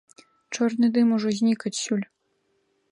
Чорны дым ужо знік адусюль.